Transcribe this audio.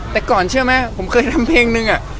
แต่ก่อนเชื่อไหมผมเคยทำเพลงนึง